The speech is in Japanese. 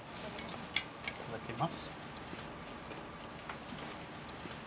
いただきます。